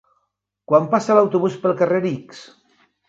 Quan passa l'autobús pel carrer X?